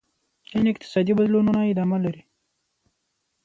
چین اقتصادي بدلونونه ادامه لري.